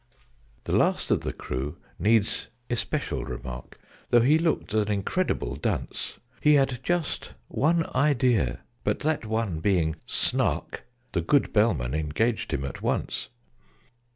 The last of the crew needs especial remark, Though he looked an incredible dunce: He had just one idea but, that one being "Snark," The good Bellman engaged him at once.